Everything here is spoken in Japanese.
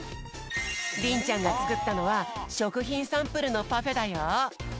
りんちゃんがつくったのはしょくひんサンプルのパフェだよ。